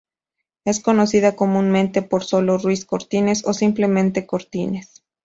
Es conocida comúnmente por sólo Ruiz Cortines o simplemente Cortines.